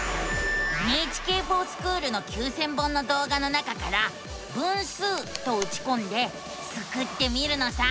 「ＮＨＫｆｏｒＳｃｈｏｏｌ」の９，０００本の動画の中から「分数」とうちこんでスクってみるのさ！